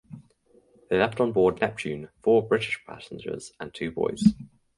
They left on board "Neptune" four British passengers and two boys.